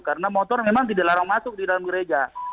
karena motor memang tidak larang masuk di dalam gereja